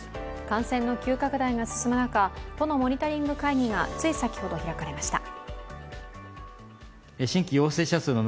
感染の急拡大が進む中、都のモニタリング会議がつい先ほど開かれました。